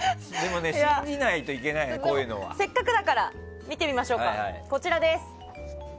せっかくだから見てみましょう。